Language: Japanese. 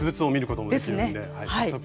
早速。